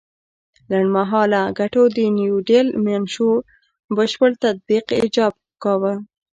لنډ مهاله ګټو د نیوډیل منشور بشپړ تطبیق ایجاب کاوه.